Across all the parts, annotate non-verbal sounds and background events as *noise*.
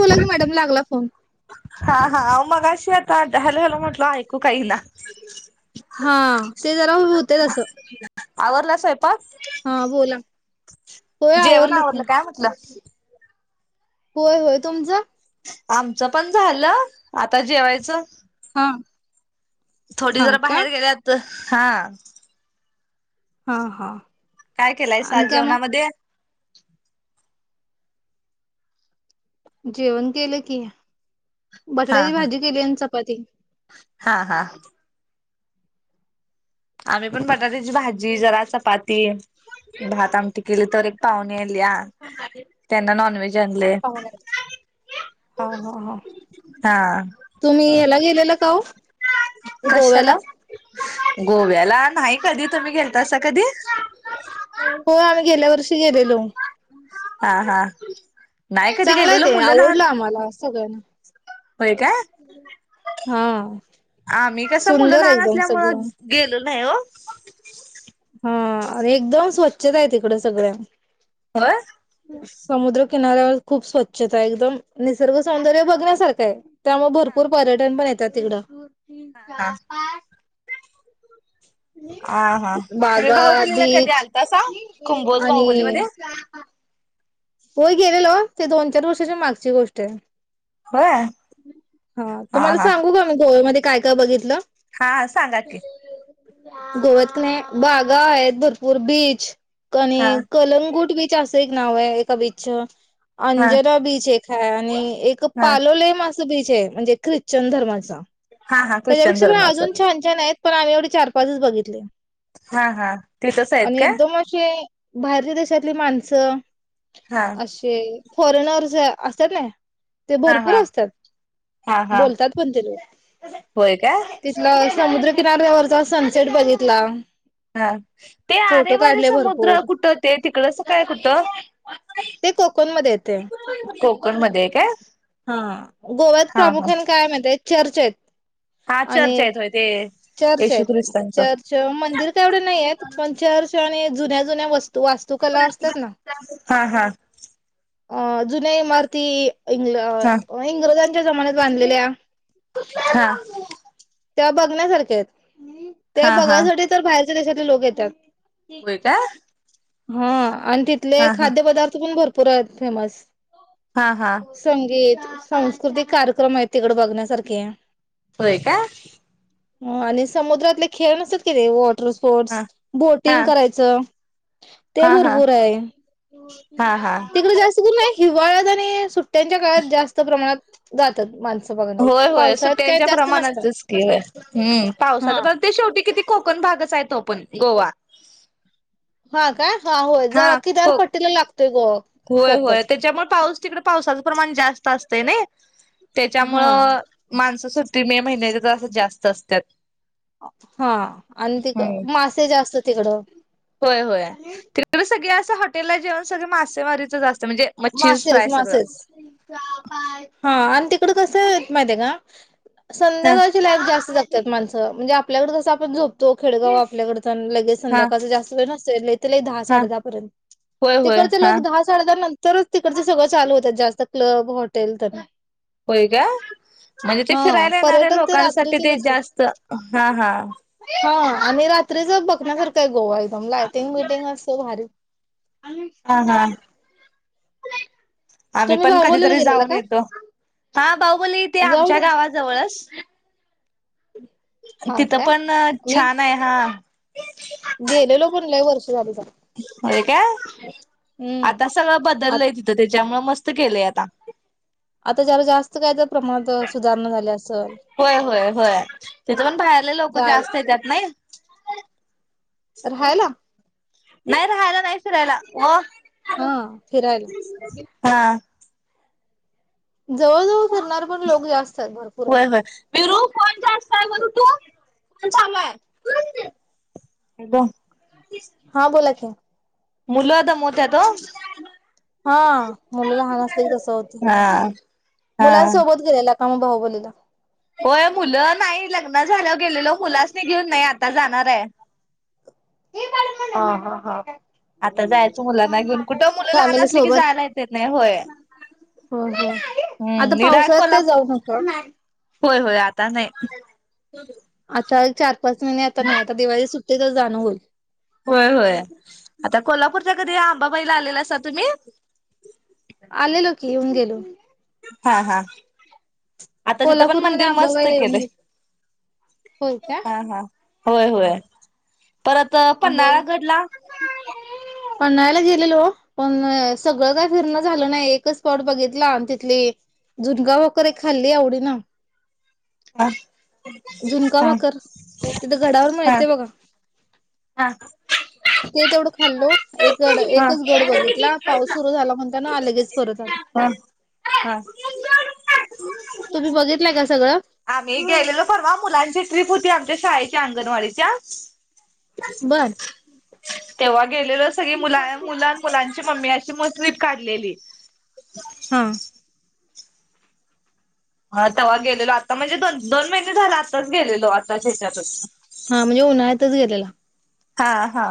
होलाग madam लागला phone मग अशी आता हल हल म्हटलं ऐकू काही ना हा ते जरा होते अससं आवरला स्वयंपा हा बोला होय जेवण आवरलं की आवडलं काय म्हटलं होय होय तुमचं आमचं पण झालं आता जेवायचं हा थोडी हा जरा का बाहेर गेल्यात हा हा हा काय केलाय आणि सज काय मग जेवणामध्ये जेवण केलं की हा बटाट्याची हा भाजी केली आणि चपाती हा हा आम्ही पण बटाट्याची भाजी जरा चपाती भात आमठी केली तर एक पाहुणे आली या त्यांना नॉनव्हेज आणलय पा हा ह हा तुम्ही याला गेलेलं काह कशाला ग गोव्याला नाही कधी तुम्ही घेता अस कधी लेलो हा हा नाही कधी चांगलाय गेलेलो ते मुलं लहान आवडलं आम्हाला सगळ्यांना होय काय? हा आम्ही कस मुलं सुंदर लहान एकदम असल्यामुळ सगळं गेल ला हो हा अ एकदम स्वच्छता आहे तिकड सगळ्यां हं समुद्र किनाऱ्यावर खूप स्वच्छता एकदम निसर्ग सौंदर्य बघण्यासारखं आहे त्यामुळे भरपूर पर्यटन पण येत. तिकडं. हा हा. हा हा तर म् बागा बाहुबलीला कधी बीच आलता असा कुंभोज बाहुबली आणि मध्ये होय गेलेल ते दोन चार वर्षाची मागची गोष्ट आहे. होय हा तुम्हाला सांगू का मी गोव्यामध्ये काय काय बघितलं. हा सांगा की गवत कला बागा आहेत भरपूर बीच हा आणि कलंगूट बीच असत. एक नाव आहे. का बीच हा अंजरा बीच एक ख आणि एक हा पालोले म चुकीचं म्हणजे ख्रिश्चन धर्माचा हा हा त्याच्या ख्रिश्चन लक्षा म धर्माचं अजून छान छान आहेत. पण आम्ही एवढे चार पाच दिस बघितले. हा हा ते तस आहेत आणि का? एकदम असे बाहेरच्या देशातली माणसं. हा असे. फॉरेनर्स असत ना. ते हा हा भरपूर असतात हा हा बोलतात पण ते होय का. समुद्रकिनाऱ्यावरचा सनसेट बघितला. हा ते फोटो आरेवारीे काढले समुद्र भरपूर कुठं ते तिकड अस काय कुठ ते कोकणमध्ये येते कोकण मध्ये काय हा हा हा. चर्चेत हा चर्च आणि आहेत होय ते चर्च येशू आहेत ख्रिस्तांचं चर्च मंदिर कावढे नाही आहेत पण चर्च आणि जुन्या जुन्या वस्तू तू वास्तुकला असतात ना. हा हा *inaudible* जुन्या इमारती इ हा इंग्रजांच्या जमान्यात बांधलेल्या. *inaudible* *inaudible* तेव्हा बघण्यासारख्या आहेत. ते हा हा बघायसाठी तर बाहेर विदेशातले लोक येतात. होय का हा आणि तिथले हा हा खाद्य पदार्थ पण भरपूर परत फेमस हा हा संगीत सांस्कृतिक कार्यक्रम आहेत. तिकड बघण्यासारखे. होय का. आणि समुद्रातले खेळ नसतात की ते वॉटर हा स्पोर्टस हा बोटिंग करायचं ते हा हा भरपूर आहे. हा हा तिकड जास्त करून नाही. हिवाळजने सुट त्यांच्या काळात जास्त प्रमाणात जातात माणस. होय होय सुट्ट्या हम्म हा पावसाचं परत ते शेवटी किती कोकण भागच आहे तो पण गोवा. हा का? हा होय जा किनार पट्टीला लागतोय गोवा होय होय कोकण. त्याच्यामुळे पाऊस तिकडे पावसाचं प्रमाण जास्त असतय नई? त्याच्यामुळ हा माणसं सु मे महिन्याच्या जरासं जास्त असत्यात. हा आणि ती मासे जास्त तिकडं होय होय ते पण सगळे हॉटेला जेवण सगळ मासेमारीच असत मासेस.. मासेस. हा आणि ते तिकड कसं माहितीये काय? हा संध्याकाळची लाईफ जास्त जग माणसं म्हणजे आपल्याकडे कस आपण झोपतो खेडगाव अपल्याकड पण लगेच हा संध्याकाळच जास्त वेळ नस *unintelligible* दहा हा साडेदहा पर्यंत होय होय तिकडचे हा लोक दहा साडेदहा नंतर तरच तिकडच सगळं चालू होतात. जास्त क्लब हॉटेल तर होय का? म्हणजे ते हा फिरायला येणारे पर्यटक ते लोकांसाठी रात्रीचेच ते असतात. जास्त, हा हा हा आणि रात्रीचं बघण्यासारखं गोवा एकदम लाईटिंग बिइटिंग असं भारी. हा हा आम्ही तुम्ही पण बाहुबलीला कधीतरी गेलेला जाऊन काय येतो. हा भाऊ बोलले इथे जाऊन आमच्या गावाजवळस हा तिथं काय पण मी छान आए. हा.. गेलेलो, पण लई वर्ष झाली जाऊन. त्या हम्म आता सगळं बदललंय तिथं ते च्यामुळं मस्त केलंय आता त जरा जास्त काय त होय होय होय. तीथं पण बाहेरले लोकं जाय जास्त येत्यात, नही राह्यला नाई राहायला नाई फिरायला. व हं! फिरायला हा जवळ जाऊ फिरणारं पण लोक जास्त एत भरपूर होय होय एत. *inaudible* पण चांगला ए *inaudible* ग हा बोला की मुलं दमोत हा! मुलं लहान असतील तसं होतं. हा मुलां हा सोबत गेलेला आम्ही भाऊबलीला होय. मुलं नाही. लग्न झालं, गेलेलो. मुलासनी घेऊन नाई. आत्ता जाणार आए. *unintelligible* हम्म हम्म हम्म आता जायचं मुलांना घ्युन कुटं. मुलं लहान फॅमिली असली की सोबत. जायला येता येत नाही. होय. हो हो. हम. आता पावसाळ्यात निरायकोला, काय जाऊ नका. होय होय आता नाई आता चार पाच मइने आता नाही. आता दिवाळी सुट्ट तिथं जाणं होईल. होय होय. आता कोल्हापूरच्या कधी आंबा बाईला आलेला असा तुम्ही आलेलो की! युन गेलो. हा हा आता तिथं पण कोल्हापूरमध्ये मंदिर मस्त आंबाबाईला येऊन केलंय. गेलो. होय का? हा हा होय होय परत आंबा पन्नाळा गडला पन्हाळला गेलेलो पण सगळं काय फिरण झालं नाही एकच स्पॉट बघितला आणि तिथली झुनका भाकर ही खाल्ली आवडीन. हा झुमका हा भाकर तिथे गडावर हा माळते बघा. हा. हा. ते तेवढं खाल्लो एक गड एकच गड बघितला पाऊस सुरू झाला म्हणता ना आलो लगेच परत आलो हा हा. तुम्ही बघितलय का सगळं. आम गयलेला भ वा मुलांची ट्रिप होती आमच्या शाळेच्या अंगणवाडीच्या. बर. तेव्हा. गेलेल सगली मुला मुला मुलां. मम्मी अशी म ट्रीप काढलेली. हा. हा तेव्हा गेलेलो आता म्हणजे द दोन महिने झाला आताच गेलेलो. आताच ह्याच्यातच. हा म्हणजे उन्हाळ्यातच गेलेलो. हा हा.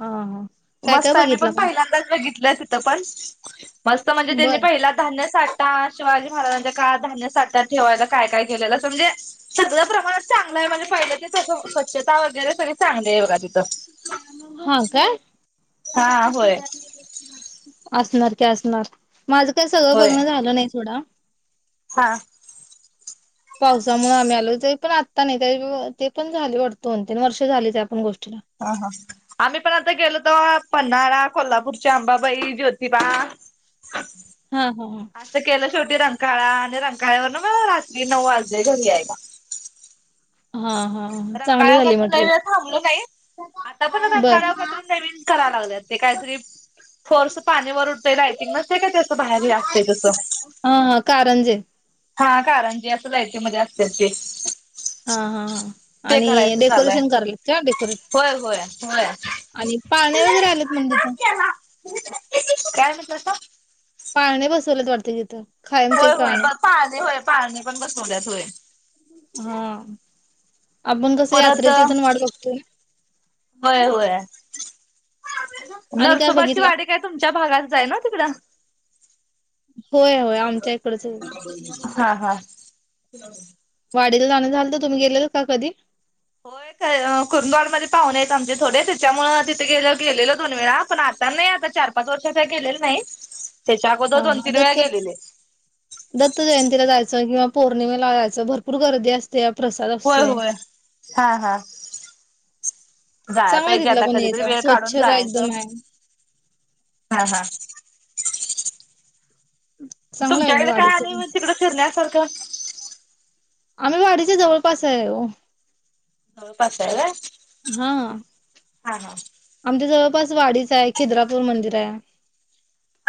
हा हा. काय काय मस्त आहे मी पण बघितला मग पहिल्यांदाच बघित. बघितलं तिथं पण. मस्त म्हणजे त्यांनी बर पहिला धान्य साठ आता शिवाजी महाराजांच्या काळ धान्य साठ्यात ठेवायला काय काय केलेलं म्हणजे सगळ्या प्रमाणात चांगला आहे माणजे फायं स्वछता वगैरे सग चांगले आहे बघा तिथं. हा काय. आता हा अ होय *unintelligible* असणार की असणार. माझं काही सगळं होय बघण झालं नाही थोडं. हा. पावसामुळे आम्ही आलो पण आत्ता नाही ते पण झाले वाटत दोन तीन वर्ष झाली त्या पण गोष्ट. हा हा आम्ही पण आता गेलो तेव्हा प पन्हाळा कोल्हापूरच्या अंबाबाई ज्योतिबा. हा हा असं केलं शेवटी रंग काळा आणि रंकाळ्यावर ना म रात्री नऊ वाजले घरी या याला. हा हा. हा चांगली झाली रंकाळगात मग ट्रीप न थांबल नाही आता पण बर रंकाळगातरी नवीन कराया लागलेत ते काहीतरी. फोर्स पाणी वरून. यिंग नसते का त्या बाहेर असते तस हा हा कारंजे हा कारणजी असं जायचे म्हज्या असत्याचे हा हा ह आणि चालू हाय. डेकोरेशन कलेत का डेकोरेट होय होय होय. आणि पाण्या वगैरे आलेत म्हण तिथं काय म्हणतासा पाळणे बसवलेत वाटते तिथं होय कायमचेच होय पाळणे ब पाळणे होय पाळणे पण बसवल्यात होय. हा आपण कस परत यात्रेचीतण वाट बघतोये होय होय नरसोबाची वाडी काय तुमच्या भागात जाय ना तिला होय होय आमच्या इकडच. हा हा डी जाणं झाल तर तुम्ही गेले का कधी होय कुरंदवडमध्ये पाहूने आहेत आमचे थोडे त्याच्यामूळ तिथे गे गेलेलं दोन वेळा पण आता नाही आता चार पाच वर्ष काय गेलेलो नाही. त्याच्या अगोदर हा दोन हा तीन वेळा दत्त, गेलेले. दत्त जयंतीला जायचं किंवा पौर्णिमा लाजायचं भरपूर गर्दी अस होय होय हा हा, जाय चांगला आहे पाहिजे तिथला आता पण कधीतरी एरिया वेळ काढून स्वच्छता जायचं, एकदम आहे हा हा चांगला आहे तुमच्याकडे काय वाडीचं आणि पण म तिकड फिरण्यासारखं. आम्ही वाडीच्या जवळपास आहे हो जळपास हाय व्हय, हा हा हा. पस वाडीच आहे खिद्रापूर मंदिर आहे.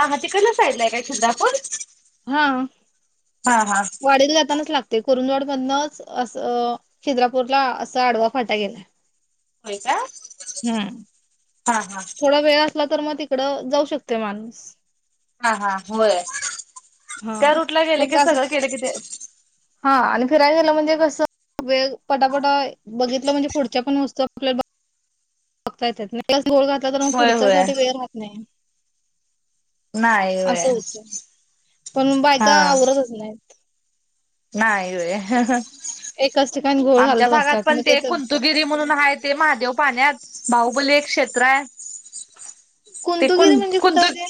आ तिकडल्या सायडला हाय काय खिद्रापूर? हा, हा हा वाडीला जातानाच लागतय. कुरुंदवाड मधनच असं खीद्रापूरला असं आडवा फाटा गेलाय. होय का हम्, हा हा थोडा वेळ असला तर मग तीकड जाऊ शकतय माणूस. हा हा होय, हा. त्या रूटला गेल फक्त की सगळं असंच केल कि ते हा आणि फिराय गेलं म्हणजे कसं वेळ पटापटा बघितलं म्हणजे पुढच्या पण वस्तू आपल्या बघता येतय नई गोळ घातला तर मग होय होय पुढच्यासाठी वेळ राहत नाही. नाही होय असं होत हा नाही होय. एकाच ठिकाणी घोळ आमच्या घालत भागात बसतात मग पण ते तर कुंतुगिरी म्हणून हाय ते महादेव पाण्यात बाहुबली एक क्षेत्र आहे. ते कुंतुगिरी कुं म्हणजे कुंतु कुठंय तेे?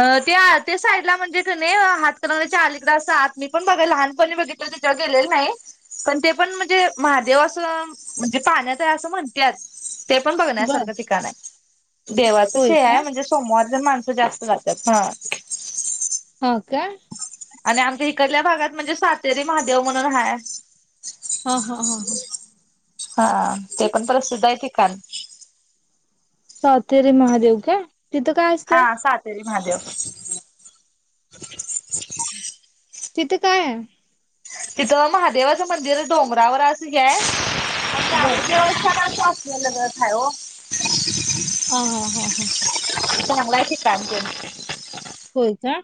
अ ते आळते साईडला म्हणजे, कनि हातकणंगले च्या अलीकड अस आत, मी पण बघा लहानपणी बघितलं तेच्या गेलेलं नाही. पण ते पण म्हणजे, महादेव असं म्हणजे पाण्यात आहे असं म्हणत्यात. ते पण बर बघनासारखं ठिकाण आहे. देवाचच होय हे आहे का? म्हणजे सोमवार. माणस जास्त जात्यात हा. हो का. आणि आमच्या इकडल्या भागात म्हणजे सातेरी महादेव म्हणून हाय हा हा हा हा. हा, ते पण परत शिकाय सातरे महादेव काय? तिथं काय असते? हा सातेरी महादेव. तिथे काय आहे? तिथं महादेवाचं मंदिर डोंगरावर असं हे हाय. बर. पात लग खायो *unintelligible* हं हां हां हां. चांगला आहेच काम होय का.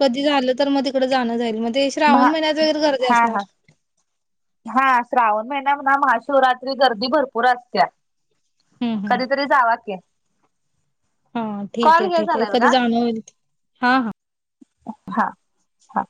कधी झालं तर मते थं जाणं जाईल ते हां श्रावण महिन्यात वगैरे गर्दी हा असणार हा हा श्रावण म णा महाशिवरात्री गर्दी भरपूर असत्या. कधीतरी जावा की, हां ठीक कॉल आहे, हे ठीक आहे, झालाय कधी बघा जाणं होईल? हां हां हा.. हा..